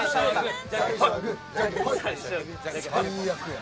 最悪や。